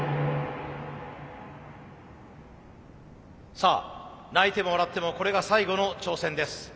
さあ泣いても笑ってもこれが最後の挑戦です。